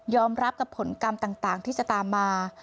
รับกับผลกรรมต่างที่จะตามมา